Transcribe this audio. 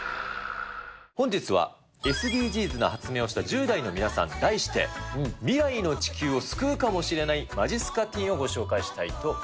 本日はＳＤＧｓな発明をした１０代の皆さん、題して、未来の地球を救うかもしれないまじっすかティーンをご紹介したい